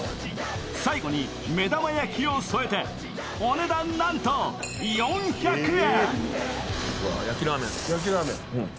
最後に目玉焼きをのせて、お値段なんと４００円。